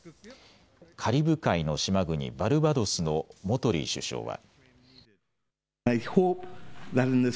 カリブ海の島国、バルバドスのモトリー首相は。